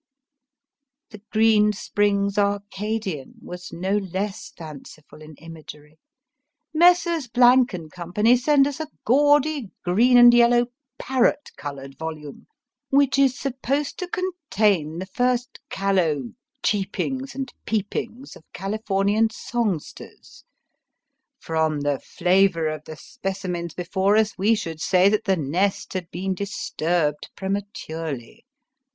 The Green Springs Arcadian was no less fanciful in imagery: Messrs. & Co. send us a gaudy green and ycllow, parrot coloured volume, which is supposed to contain the first callow " cheepings " and " peepings " of Californian song sters. From the flavour of the specimens before us we should say that the nest had been disturbed prematurely.